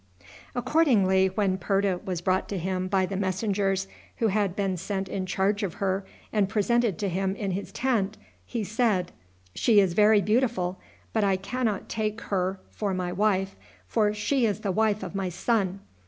] Accordingly, when Purta was brought to him by the messengers who had been sent in charge of her, and presented to him in his tent, he said, "She is very beautiful, but I can not take her for my wife, for she is the wife of my son.